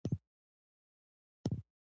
هر پنځه ګون د یوې سکې په اندازه پیر لري